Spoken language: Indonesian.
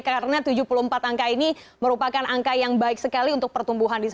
karena tujuh puluh empat angka ini merupakan angka yang baik sekali untuk pertumbuhan di sana